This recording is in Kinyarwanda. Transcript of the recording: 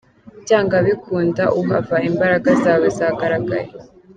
Byanga bikunda uhava imbaraga zawe zagaragaye.